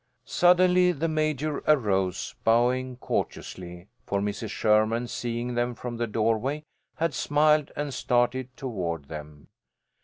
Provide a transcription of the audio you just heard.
Suddenly the Major arose, bowing courteously, for Mrs. Sherman, seeing them from the doorway, had smiled and started toward them.